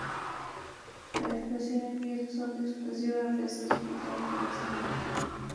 La explosión envió en su onda expansiva restos de metralla, pedazos de metal.